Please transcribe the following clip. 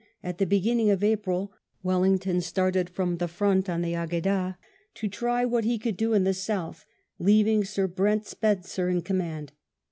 At the beginning of April Wellington started from the front on the Agueda to try what he could do in the south, leaving Sir Brent Spencer in command.